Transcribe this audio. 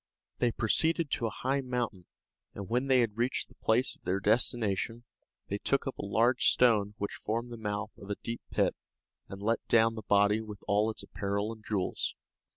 They proceeded to a high mountain, and when they had reached the place of their destination, they took up a large stone which formed the mouth of a deep pit, and let down the body with all its apparel and jewels.